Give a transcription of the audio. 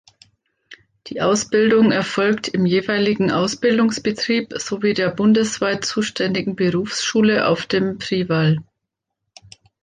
Die Ausbildung erfolgt im jeweiligen Ausbildungsbetrieb sowie der bundesweit zuständigen Berufsschule auf dem Priwall.